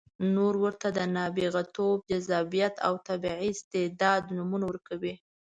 نور ورته د نابغتوب، جذابیت او طبیعي استعداد نومونه ورکوي.